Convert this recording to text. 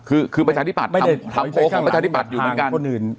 คือประชาธิปัตย์ทำโพสต์ของประชาธิบัติอยู่เหมือนกัน